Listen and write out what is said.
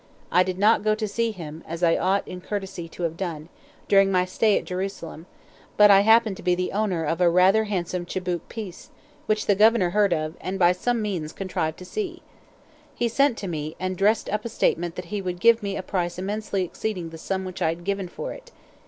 I did not go to see him, as I ought in courtesy to have done, during my stay at Jerusalem; but I happened to be the owner of a rather handsome amber tchibouque piece, which the Governor heard of, and by some means contrived to see. He sent to me, and dressed up a statement that he would give me a price immensely exceeding the sum which I had given for it.